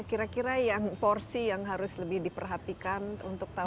kira kira yang porsi yang harus lebih diperhatikan untuk tahun ini